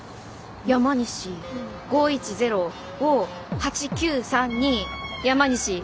山西５１０を８９３２。